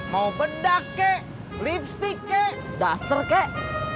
mau bedak kek lipstick kek duster kek